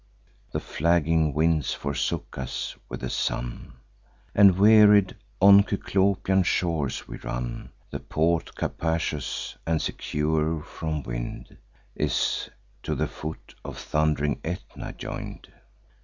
The flagging winds forsook us, with the sun; And, wearied, on Cyclopian shores we run. The port capacious, and secure from wind, Is to the foot of thund'ring Aetna join'd.